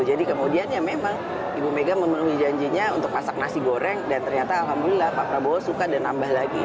jadi kemudian ya memang ibu megat memenuhi janjinya untuk masak nasi goreng dan ternyata alhamdulillah pak prabowo suka dan nambah lagi